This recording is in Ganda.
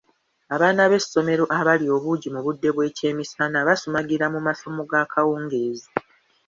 Abaana b'essomero abalya obuugi mu budde bw'ekyemisana basumagirira mu masomo g'akawungeezi.